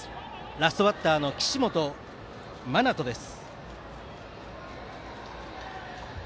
ラストバッターの岸本愛翔です。